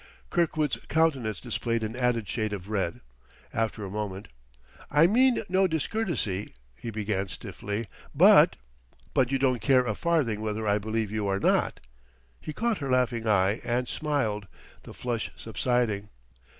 Kirkwood's countenance displayed an added shade of red. After a moment, "I mean no discourtesy," he began stiffly, "but " "But you don't care a farthing whether I believe you or not?" He caught her laughing eye, and smiled, the flush subsiding.